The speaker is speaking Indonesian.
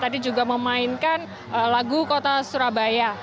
tadi juga memainkan lagu kota surabaya